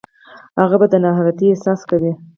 هغه به د ناراحتۍ احساس کوي.